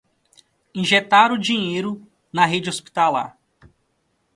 Injetaram dinheiro na rede hospitalar